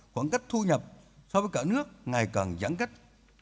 khoảng cách thu nhập so với cả nước ngày càng giãn cách